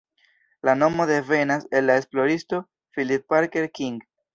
La nomo devenas el la esploristo Phillip Parker King.